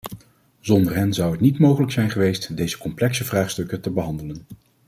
Zonder hen zou het niet mogelijk zijn geweest deze complexe vraagstukken te behandelen.